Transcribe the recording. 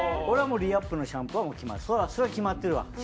俺はもうリアップのシャンプーはそれは決まってるわ。